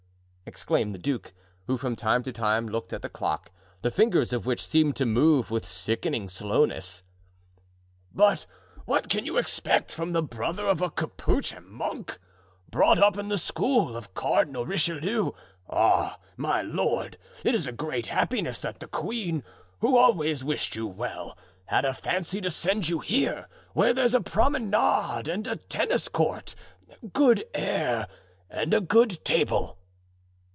exclaimed the duke, who from time to time looked at the clock, the fingers of which seemed to move with sickening slowness. "But what can you expect from the brother of a capuchin monk, brought up in the school of Cardinal Richelieu? Ah, my lord, it is a great happiness that the queen, who always wished you well, had a fancy to send you here, where there's a promenade and a tennis court, good air, and a good table."